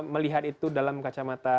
melihat itu dalam kacamata